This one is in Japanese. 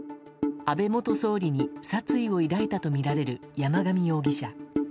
安倍元総理に殺意を抱いたとみられる、山上容疑者。